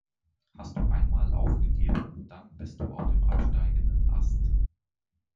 Hast du einmal aufgegeben, dann bist du auf dem absteigenden Ast.